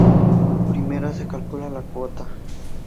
Primero se calcula la cuota.